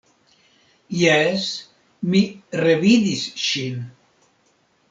Jes, mi revidis ŝin.